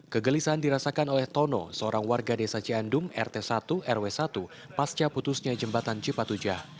kegelisahan dirasakan oleh tono seorang warga desa cian dum rt satu rw satu pasca putusnya jembatan cipat ujah